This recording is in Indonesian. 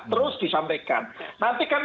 terus disampaikan nanti kan